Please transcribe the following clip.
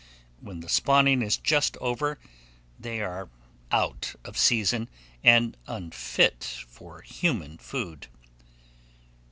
When the spawning is just over, they are out of season, and unfit for human food.